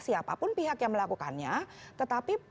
siapapun pihak yang melakukannya tetapi